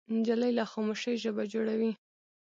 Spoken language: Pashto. نجلۍ له خاموشۍ ژبه جوړوي.